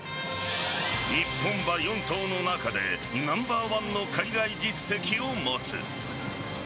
日本馬４頭の中でナンバーワンの海外実績を持つ。